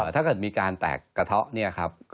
ถ้าเกิดมีการแตกกระเทาะ